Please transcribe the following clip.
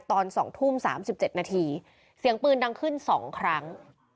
ตอน๒ทุ่ม๓๗นาทีเสียงปืนดังขึ้น๒ครั้ง